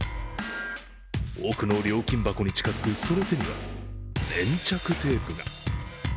奥の料金箱に近づくその手には、粘着テープが。